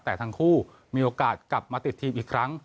แต่ทั้งคู่มีโอกาสกลับมาติดทีมอีกครั้ง